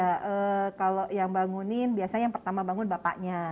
ya kalau yang bangunin biasanya yang pertama bangun bapaknya